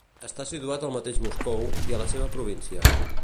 Està situat al mateix Moscou i a la seva província.